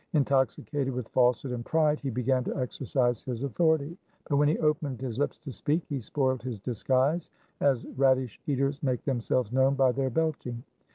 In toxicated with falsehood and pride, he began to exercise his authority. But when he opened his lips to speak, he spoiled his disguise, as radish eaters make themselves known by their belching.